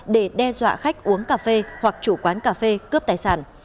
để đe dọa khách uống cà phê hoặc chủ quán cà phê cướp tài sản